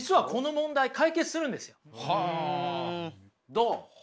どう？